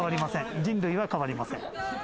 人類は変わりません。